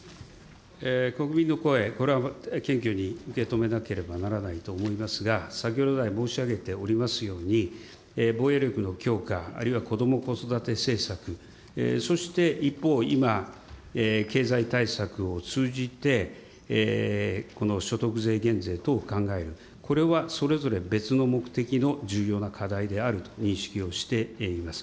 国民の声、これは謙虚に受け止めなければならないと思いますが、先ほど来、申し上げておりますように、防衛力の強化、あるいはこども・子育て政策、そして、一方、今、経済対策を通じて、この所得税減税等を考える、これはそれぞれ別の目的の重要な課題であると認識をしています。